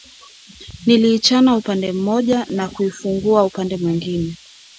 Niliichana upande mmoja na kuifungua upande mwingine